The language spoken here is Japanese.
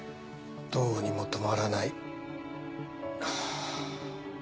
どうにも止まらない。